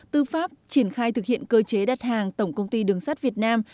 tư pháp triển khai thực hiện cơ chế đặt hàng tổng công ty đường sắt việt nam